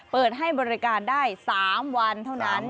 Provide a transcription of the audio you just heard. เปิดให้บริการได้๓วันเท่านั้น